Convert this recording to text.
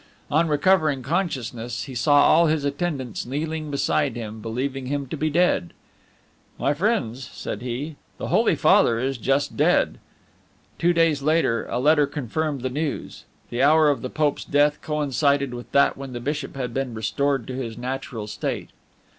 On recovering consciousness, he saw all his attendants kneeling beside him, believing him to be dead: "My friends," said he, "the Holy Father is just dead." Two days later a letter confirmed the news. The hour of the Pope's death coincided with that when the Bishop had been restored to his natural state.